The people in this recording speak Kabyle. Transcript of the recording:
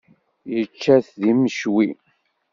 Yečča-t d imecwi.